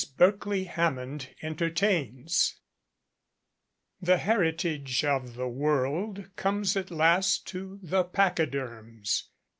BERKELEY HAMMOND ENTERTAINS THE heritage of the world comes at last to the pachyderms.